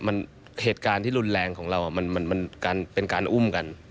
มันเหตุการณ์ที่รุนแรงของเรามันเป็นการอุ้มกัน